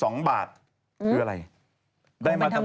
ได้มาทำบุญติดเหรียญ๒บาท